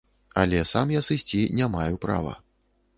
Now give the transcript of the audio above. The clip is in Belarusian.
Але сам я сысці не маю права.